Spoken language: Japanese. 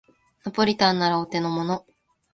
ナポリタンならお手のもの